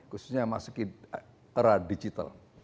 khususnya yang memasuki era digital